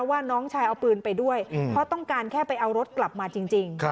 ว่าน้องชายเอาปืนไปด้วยเพราะต้องการแค่ไปเอารถกลับมาจริง